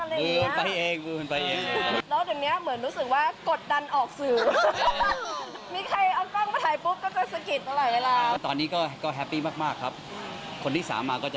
เมื่อกี้ยังมาบีบแทนเอาเลยค่ะ